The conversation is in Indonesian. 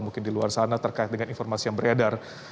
mungkin di luar sana terkait dengan informasi yang beredar